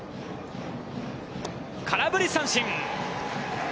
空振り三振！